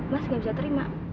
mas gak bisa terima